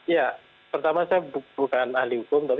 ya pertama saya bukan ahli hukum